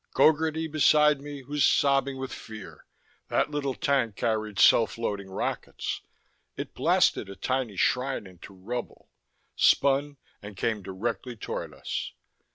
Gogarty, beside me, was sobbing with fear; that little tank carried self loading rockets. It blasted a tiny shrine into rubble, spun and came directly toward us.